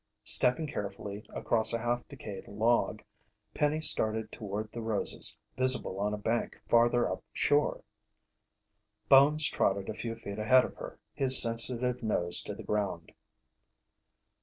Stepping carefully across a half decayed log, Penny started toward the roses, visible on a bank farther up shore. Bones trotted a few feet ahead of her, his sensitive nose to the ground.